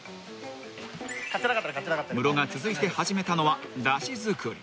［ムロが続いて始めたのはだし作り］